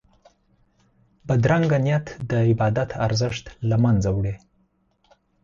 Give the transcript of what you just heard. بدرنګه نیت د عبادت ارزښت له منځه وړي